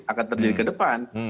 akan terjadi ke depan